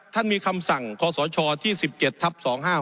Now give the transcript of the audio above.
ท่านมีคำสั่งคศที่๑๗ทัพ๒๕๖๐